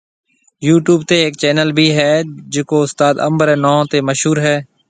يو ٽيوب تي ھيَََڪ چينل بي ھيَََ جڪو استاد انب ري نون تي مشھور ھيَََ